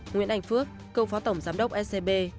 nguyễn anh phước cậu phó tổng giám đốc scb